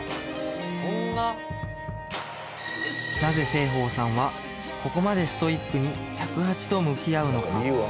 そんななぜ栖鳳さんはここまでストイックに尺八と向き合うのか？